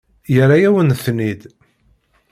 Yerra-yawen-ten-id.